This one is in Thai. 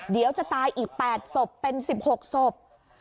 เดี๋ยวจะตายอีก๘ศพเป็น๑๖ศพ